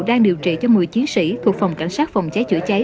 đang điều trị cho một mươi chiến sĩ thuộc phòng cảnh sát phòng cháy chữa cháy